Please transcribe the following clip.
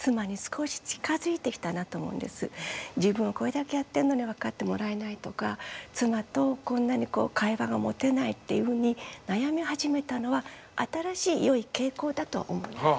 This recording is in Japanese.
自分はこれだけやってるのに分かってもらえないとか妻とこんなに会話が持てないっていうふうに悩み始めたのは新しいよい傾向だと思います。